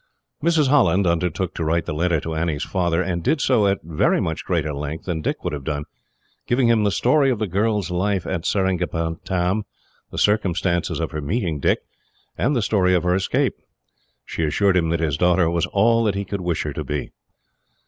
Mrs. Holland undertook to write the letter to Annie's father, and did so at very much greater length than Dick would have done, giving him the story of the girl's life at Seringapatam, the circumstances of her meeting Dick, and the story of her escape. She assured him that his daughter was all that he could wish her to be.